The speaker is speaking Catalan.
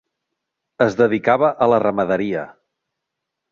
Es dedicava a la ramaderia.